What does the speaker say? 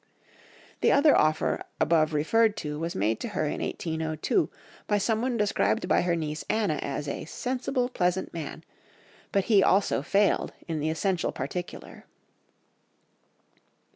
The other offer above referred to was made to her in 1802 by someone described by her niece Anna as a "sensible pleasant man," but he also failed in the essential particular.